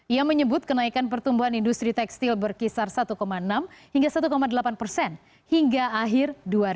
ia menyebut kenaikan pertumbuhan industri tekstil berkisar satu enam hingga satu delapan persen hingga akhir dua ribu dua puluh